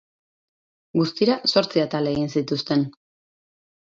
Guztira zortzi atal egin zituzten.